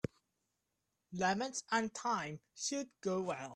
Lemons and thyme should go well.